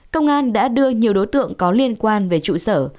công an đã đưa nhiều đối tượng có liên quan về trụ sở